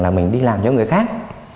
là mình đi làm cho người khác